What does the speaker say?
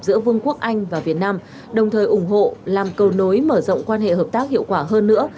giữa vương quốc anh và việt nam đồng thời ủng hộ làm cầu nối mở rộng quan hệ hợp tác hiệu quả hơn nữa